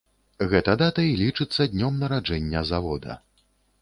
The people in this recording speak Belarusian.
Гэта дата і лічыцца днём нараджэння завода.